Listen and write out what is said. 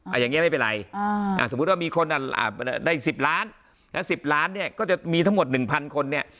อ่าอย่างเงี้ยไม่เป็นไรอ่าสมมุติว่ามีคนอ่าได้สิบล้านแล้วสิบล้านเนี่ยก็จะมีทั้งหมดหนึ่งพันคนเนี่ย